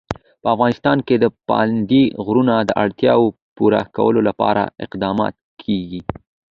په افغانستان کې د پابندی غرونه د اړتیاوو پوره کولو لپاره اقدامات کېږي.